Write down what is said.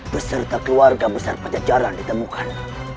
beserta keluarga besar pajajaran ditemukan